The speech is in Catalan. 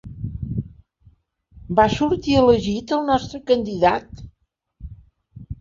Va sortir elegit el nostre candidat.